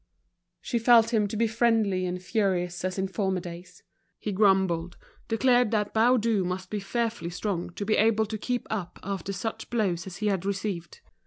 She felt him to be friendly and furious as in former days. He grumbled, declared that Baudu must be fearfully strong to be able to keep up after such blows as he had received.